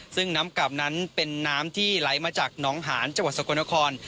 ซึ่งน้ำกลับนั้นเป็นน้ำที่ไหลมาจากหนองหานจังหวัดสกลนคร